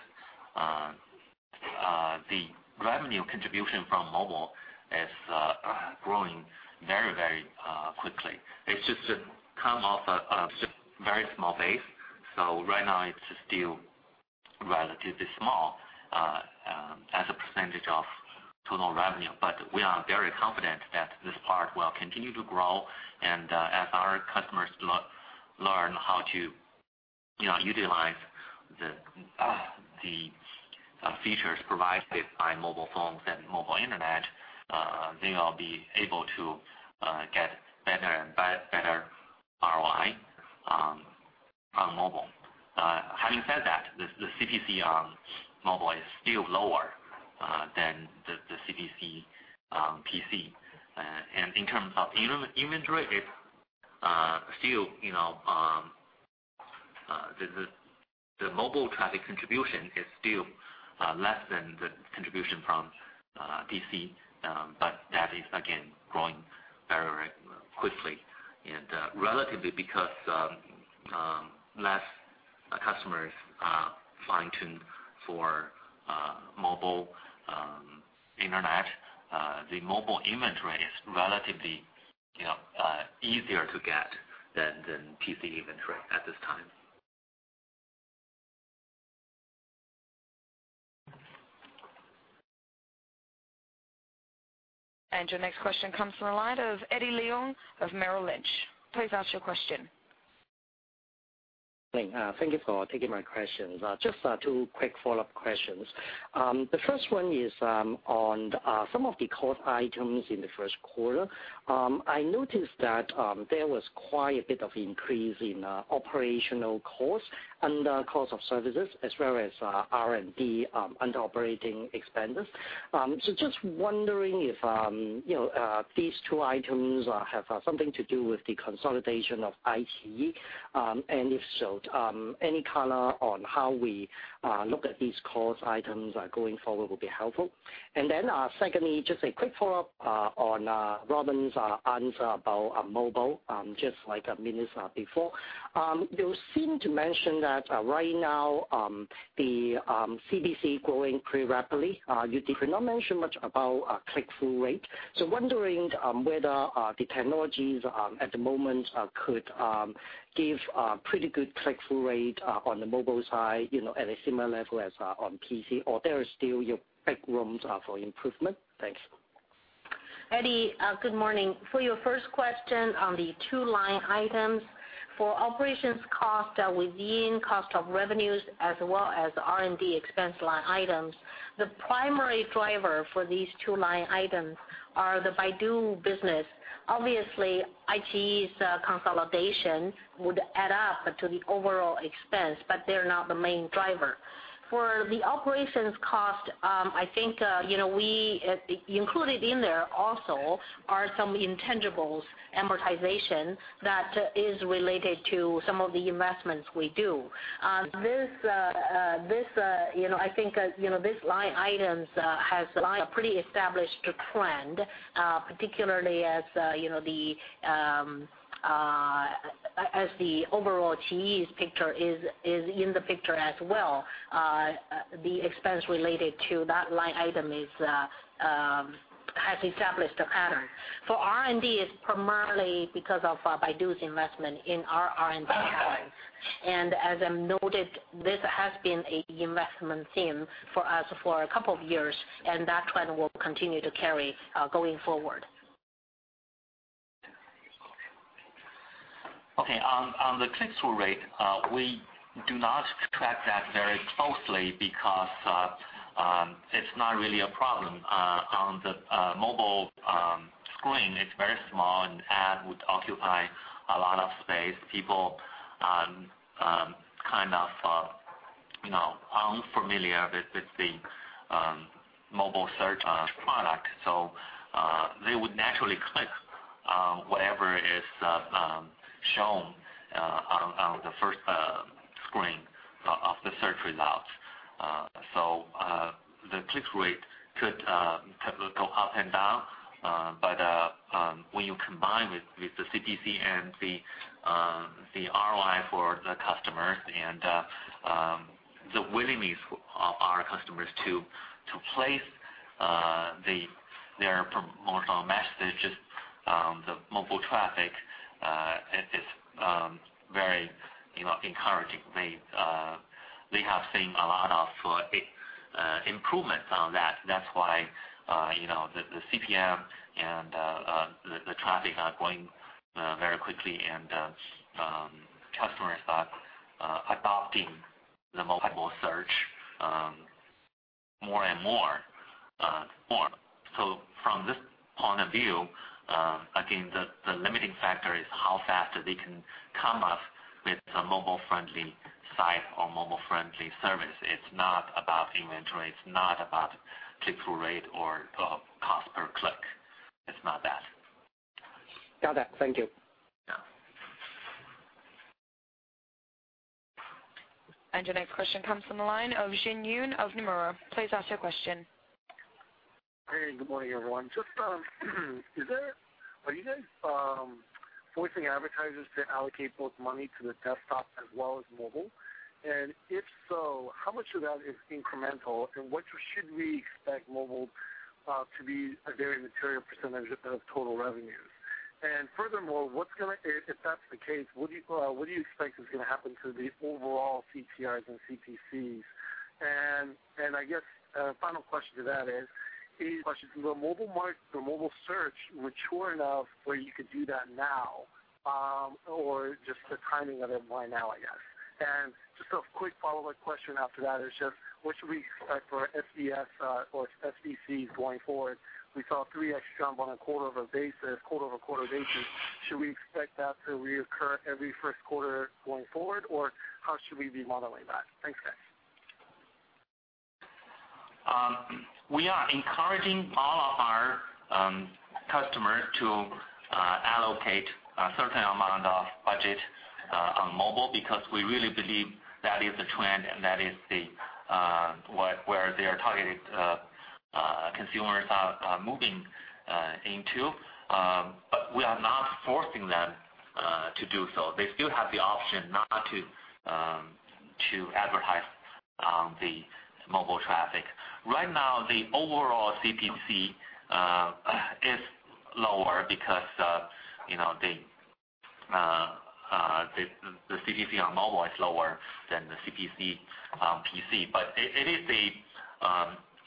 the revenue contribution from mobile is growing very quickly. It's just come off a very small base, so right now it's still relatively small as a percentage of total revenue. We are very confident that this part will continue to grow, and as our customers learn how to utilize the features provided by mobile phones and mobile internet, they will be able to get better and better ROI on mobile. Having said that, the CPC on mobile is still lower than the CPC on PC. In terms of inventory, the mobile traffic contribution is still less than the contribution from PC, but that is, again, growing very quickly and relatively because less customers are fine-tuned for mobile internet. The mobile inventory is relatively easier to get than PC inventory at this time. Your next question comes from the line of Eddie Leung of Merrill Lynch. Please ask your question. Thank you for taking my questions. Just two quick follow-up questions. The first one is on some of the cost items in the first quarter. I noticed that there was quite a bit of increase in operational cost, under cost of services, as well as R&D under operating expenses. Just wondering if these two items have something to do with the consolidation of iQIYI, and if so, any color on how we look at these cost items going forward will be helpful. Secondly, just a quick follow-up on Robin's answer about mobile, just like minutes before. You seem to mention that right now the CPC growing pretty rapidly. You did not mention much about click-through rate. Wondering whether the technologies at the moment could give pretty good click-through rate on the mobile side, at a similar level as on PC, or there is still big rooms for improvement? Thanks. Eddie, good morning. For your first question on the two line items. For operations cost within cost of revenues, as well as R&D expense line items, the primary driver for these two line items are the Baidu business. Obviously, iQIYI's consolidation would add up to the overall expense, but they're not the main driver. For the operations cost, I think included in there also are some intangibles amortization that is related to some of the investments we do. I think these line items have a pretty established trend, particularly as the overall SG&A's picture is in the picture as well. The expense related to that line item has established a pattern. For R&D, it's primarily because of Baidu's investment in our R&D. As I noted, this has been an investment theme for us for a couple of years, and that trend will continue to carry going forward. Okay. On the click-through rate, we do not track that very closely because it's not really a problem. On the mobile screen, it's very small, and ad would occupy a lot of space. People are kind of unfamiliar with the mobile search product, so they would naturally click whatever is shown on the first screen of the search results. The click rate could go up and down, but when you combine with the CPC and the ROI for the customers and the willingness of our customers to place their promotional messages, the mobile traffic is very encouraging. We have seen a lot of improvements on that. That's why the CPM and the traffic are going very quickly, and customers are adopting the mobile search more and more. From this point of view, again, the limiting factor is how fast they can come up with a mobile-friendly site or mobile-friendly service. It's not about inventory, it's not about click-through rate or cost per click. It's not that. Got that. Thank you. Yeah. Your next question comes from the line of Jin Yoon of Nomura. Please ask your question. Hey, good morning, everyone. Just are you guys forcing advertisers to allocate both money to the desktop as well as mobile? If so, how much of that is incremental, and what should we expect mobile to be a very material percentage of total revenues? Furthermore, if that's the case, what do you expect is going to happen to the overall CTRs and CPCs? I guess, a final question to that is the mobile search mature enough where you could do that now? Or just the timing of it, why now, I guess? Just a quick follow-up question after that is just what should we expect for SBC or SBCs going forward? We saw a 3x jump on a quarter-over-quarter basis. Should we expect that to reoccur every first quarter going forward, or how should we be modeling that? Thanks, guys. We are encouraging all of our customers to allocate a certain amount of budget on mobile, because we really believe that is the trend and that is where their targeted consumers are moving into. We are not forcing them to do so. They still have the option not to advertise the mobile traffic. Right now, the overall CPC is lower because the CPC on mobile is lower than the CPC on PC. It is a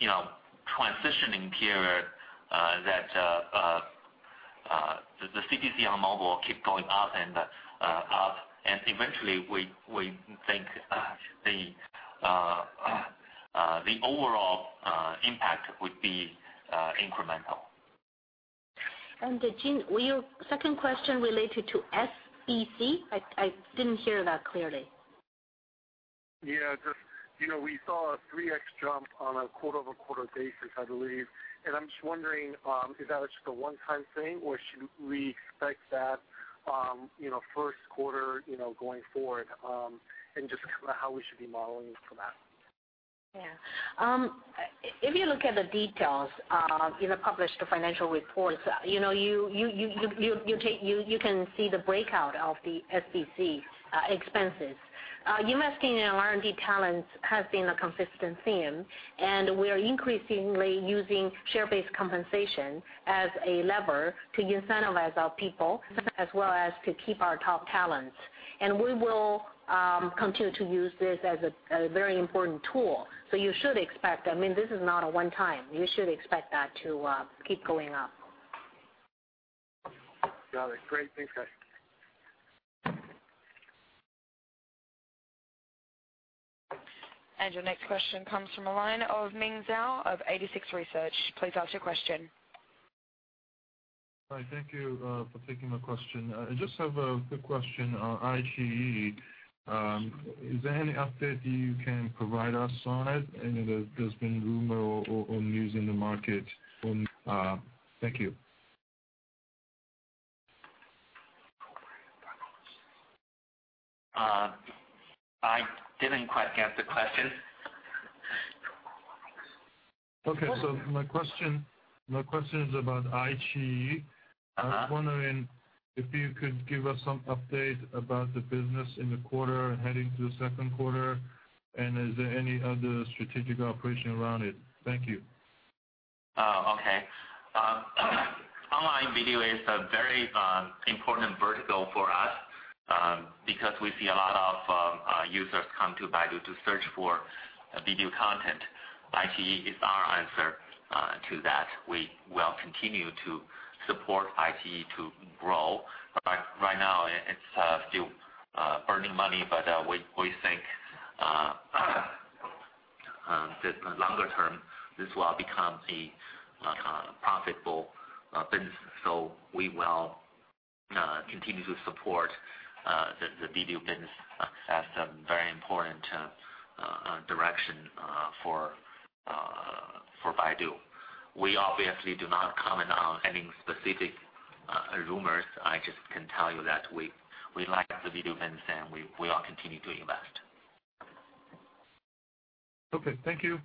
transitioning period that the CPC on mobile keep going up and up. Eventually, we think the overall impact would be incremental. Jin, was your second question related to SEC? I didn't hear that clearly. Yeah. Just, we saw a 3x jump on a quarter-over-quarter basis, I believe. I'm just wondering, is that just a one-time thing, or should we expect that first quarter going forward, and just kind of how we should be modeling for that? Yeah. If you look at the details in the published financial reports, you can see the breakout of the SBC expenses. Investing in R&D talent has been a consistent theme, we are increasingly using share-based compensation as a lever to incentivize our people, as well as to keep our top talents. We will continue to use this as a very important tool. You should expect, I mean, this is not a one-time. You should expect that to keep going up. Got it. Great. Thanks, guys. Your next question comes from the line of Ming Zhao of 86Research. Please ask your question. Hi. Thank you for taking my question. I just have a quick question on iQIYI. Is there any update you can provide us on it? I know there's been rumor or news in the market on. Thank you. I didn't quite get the question. Okay. My question is about iQIYI. I was wondering if you could give us some update about the business in the quarter, heading to the second quarter, and is there any other strategic operation around it? Thank you. Oh, okay. Online video is a very important vertical for us, because we see a lot of users come to Baidu to search for video content. iQIYI is our answer to that. We will continue to support iQIYI to grow. Right now, it's still burning money, but we think that longer term, this will become a profitable business. We will continue to support the video business as a very important direction for Baidu. We obviously do not comment on any specific rumors. I just can tell you that we like the video business and we will continue to invest. Okay. Thank you.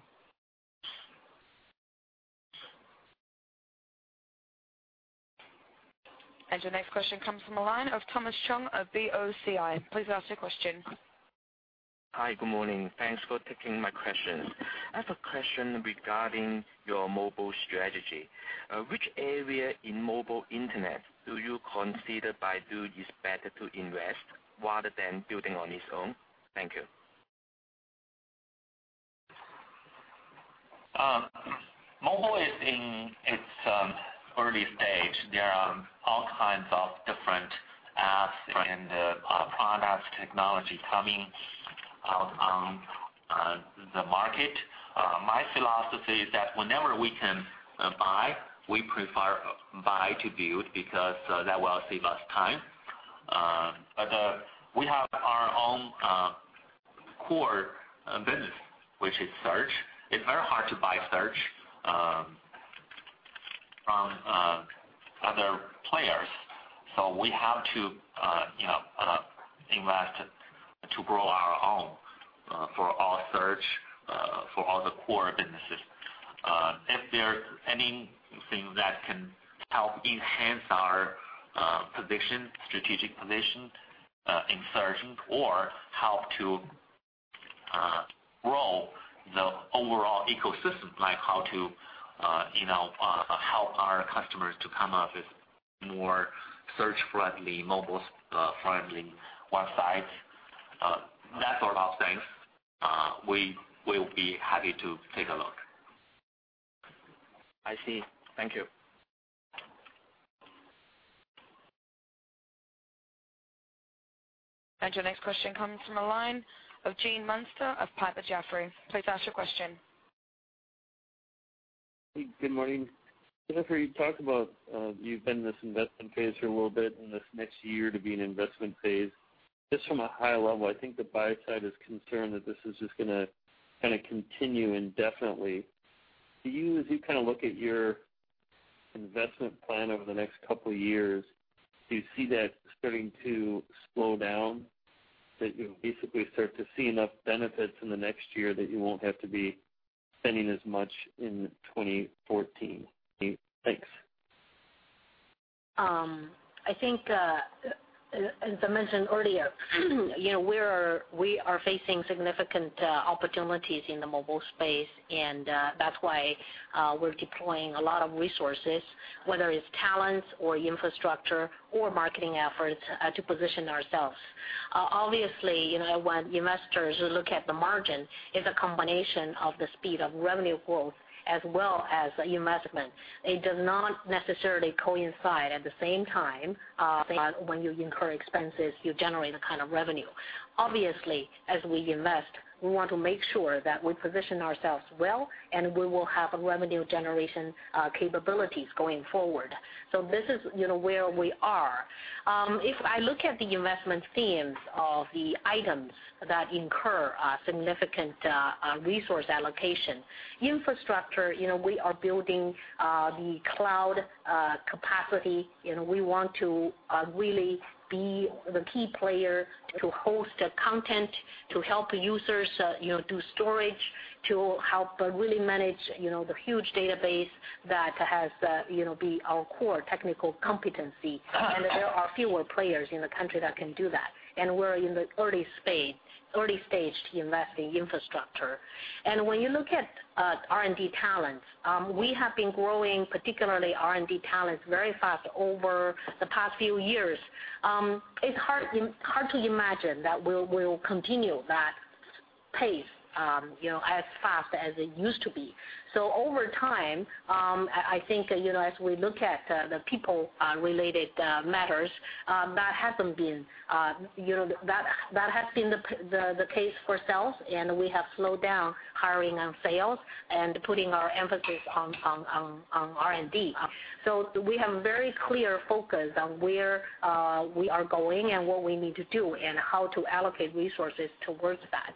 Your next question comes from the line of Thomas Chong of BOCI. Please ask your question. Hi. Good morning. Thanks for taking my question. I have a question regarding your mobile strategy. Which area in mobile internet do you consider Baidu is better to invest rather than building on its own? Thank you. Mobile is in its early stage. There are all kinds of different apps and products, technology coming out on the market. My philosophy is that whenever we can buy, we prefer buy to build, because that will save us time. We have our own core business, which is search. It's very hard to buy search from other players, so we have to invest to grow our own for all search, for all the core businesses. If there's anything that can help enhance our strategic position in searching or help to grow the overall ecosystem, like how to help our customers to come up with more search-friendly, mobile-friendly websites, that sort of things, we will be happy to take a look. I see. Thank you. Your next question comes from the line of Gene Munster of Piper Jaffray. Please ask your question. Good morning. Jennifer, you talk about you've been in this investment phase for a little bit, and this next year to be an investment phase. From a high level, I think the buy side is concerned that this is just going to kind of continue indefinitely. Do you, as you look at your investment plan over the next couple of years, do you see that starting to slow down? That you'll basically start to see enough benefits in the next year that you won't have to be spending as much in 2014? Thanks. I think, as I mentioned earlier, we are facing significant opportunities in the mobile space, that's why we're deploying a lot of resources, whether it's talents or infrastructure or marketing efforts to position ourselves. Obviously, when investors look at the margin, it's a combination of the speed of revenue growth as well as investment. It does not necessarily coincide at the same time, when you incur expenses, you generate a kind of revenue. Obviously, as we invest, we want to make sure that we position ourselves well, we will have revenue generation capabilities going forward. This is where we are. If I look at the investment themes of the items that incur significant resource allocation, infrastructure, we are building the cloud capacity. We want to really be the key player to host content, to help users do storage, to help really manage the huge database that has to be our core technical competency. There are fewer players in the country that can do that, we're in the early stage to invest in infrastructure. When you look at R&D talents, we have been growing, particularly R&D talents, very fast over the past few years. It's hard to imagine that we'll continue that pace as fast as it used to be. Over time, I think as we look at the people-related matters, that has been the case for sales, we have slowed down hiring on sales and putting our emphasis on R&D. We have a very clear focus on where we are going and what we need to do and how to allocate resources towards that.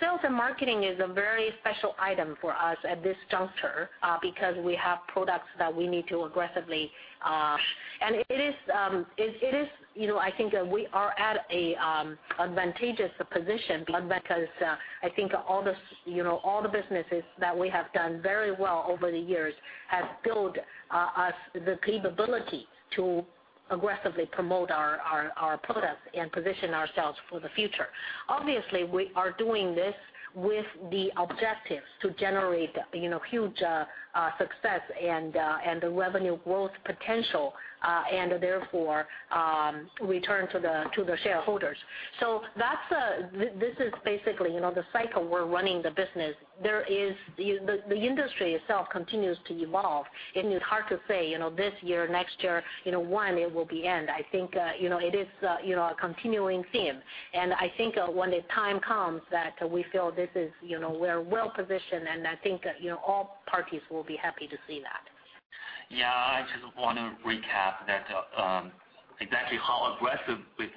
Sales and marketing is a very special item for us at this juncture because we have products that we need to aggressively push. I think we are at an advantageous position because I think all the businesses that we have done very well over the years have built us the capability to aggressively promote our products and position ourselves for the future. Obviously, we are doing this with the objectives to generate huge success and revenue growth potential, therefore return to the shareholders. This is basically the cycle we're running the business. The industry itself continues to evolve, it's hard to say this year, next year, when it will end. I think it is a continuing theme, I think when the time comes that we feel we're well-positioned, I think all parties will be happy to see that. I just want to recap that exactly how aggressive we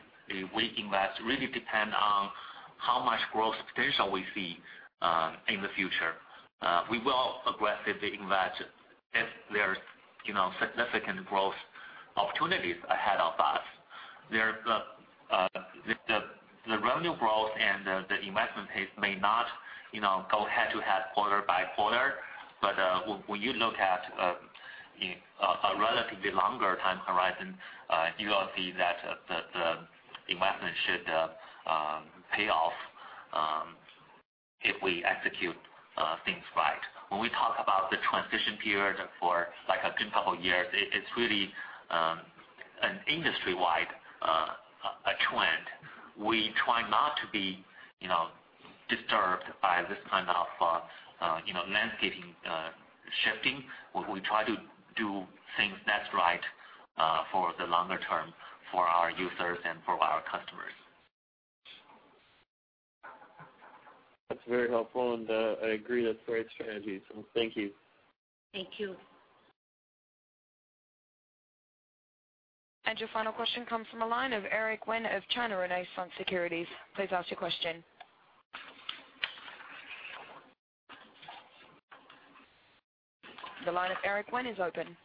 invest really depends on how much growth potential we see in the future. We will aggressively invest if there's significant growth opportunities ahead of us. The revenue growth and the investment pace may not go head to head quarter by quarter. When you look at a relatively longer time horizon, you will see that the investment should pay off if we execute things right. When we talk about the transition period for a good couple of years, it's really an industry-wide trend. We try not to be disturbed by this kind of landscaping shifting. We try to do things that's right for the longer term for our users and for our customers. That's very helpful, and I agree that's the right strategy. Thank you. Thank you. Your final question comes from the line of Eric Wen of China Renaissance Securities. Please ask your question. The line of Eric Wen is open.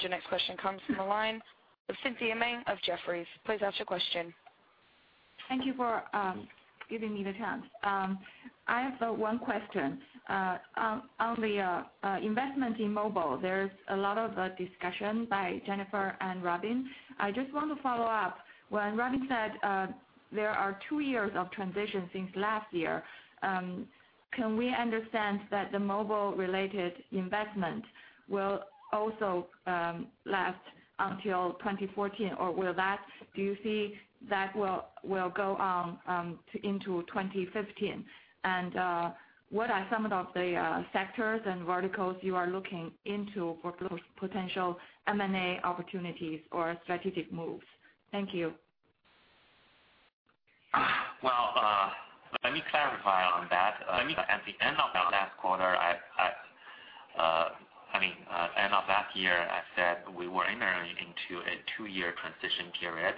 Your next question comes from the line of Cynthia Meng of Jefferies. Please ask your question. Thank you for giving me the chance. I have one question. On the investment in mobile, there's a lot of discussion by Jennifer and Robin. I just want to follow up. When Robin said there are two years of transition since last year, can we understand that the mobile-related investment will also last until 2014? Or do you see that will go on into 2015? What are some of the sectors and verticals you are looking into for potential M&A opportunities or strategic moves? Thank you. Well, let me clarify on that. At the end of last year, I said we were entering into a two-year transition period.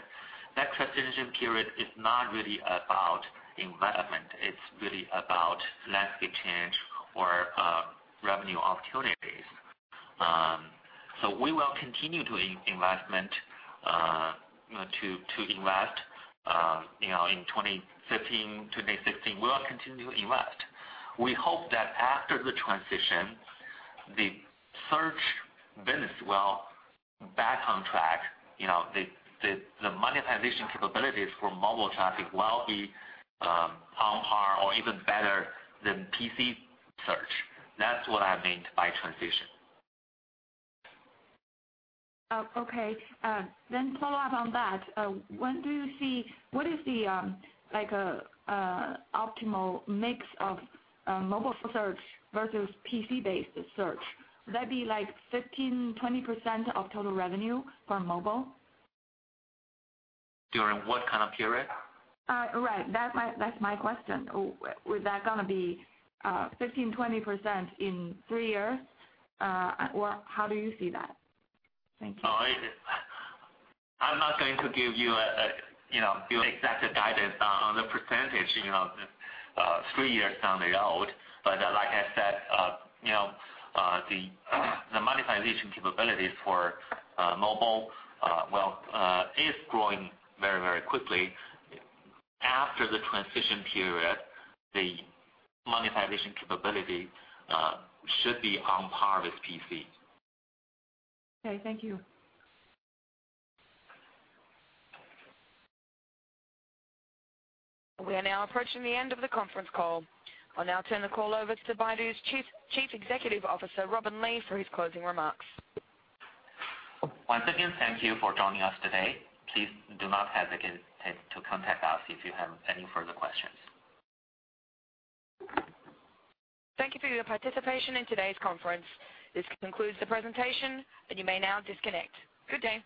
That transition period is not really about investment. It's really about landscape change or revenue opportunities. We will continue to invest in 2015, 2016. We'll continue to invest. We hope that after the transition, the search business will be back on track. The monetization capabilities for mobile traffic will be on par or even better than PC search. That's what I meant by transition. Okay. Follow-up on that, what is the optimal mix of mobile search versus PC-based search? Would that be 15%-20% of total revenue for mobile? During what kind of period? Right. That's my question. Is that going to be 15%-20% in three years? How do you see that? Thank you. I'm not going to give you exact guidance on the percentage, three years down the road. Like I said, the monetization capabilities for mobile is growing very quickly. After the transition period, the monetization capability should be on par with PC. Okay, thank you. We are now approaching the end of the conference call. I'll now turn the call over to Baidu's Chief Executive Officer, Robin Li, for his closing remarks. Once again, thank you for joining us today. Please do not hesitate to contact us if you have any further questions. Thank you for your participation in today's conference. This concludes the presentation, and you may now disconnect. Good day.